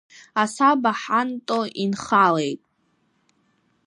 Асаба ҳанто инхалеит.